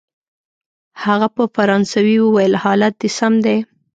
هغه په فرانسوي وویل: حالت دی سم دی؟